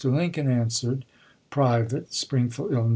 Lincoln answered : (Private.) Springfield, III.